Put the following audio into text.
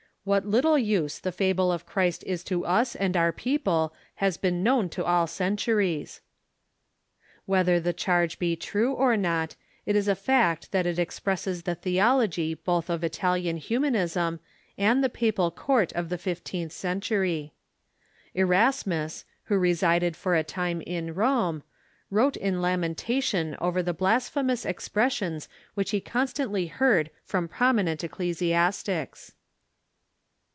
"What little use the fable of Christ is to us and our people has been known to all centuries." Whether the charge be true or not, it is a fact that it expresses the theology both of Ital ian Humanism and the pa^Dal court of the fifteenth centur3% Erasmus, who resided for a time in Rome, wrote in lamenta tion over the blasphemous expressions which he constantly heard from prominent ecclesiastics.